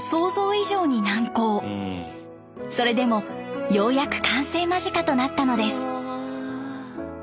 それでもようやく完成間近となったのです。